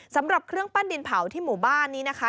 สำหรับเครื่องปั้นดินเผาที่หมู่บ้านนี้นะคะ